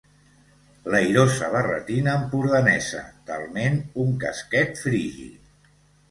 l'airosa barretina empordanesa, talment un casquet frigi